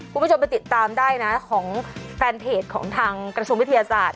คุณผู้ชมไปติดตามได้นะของแฟนเพจของทางกระทรวงวิทยาศาสตร์